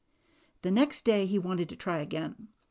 The next day he wanted to try again.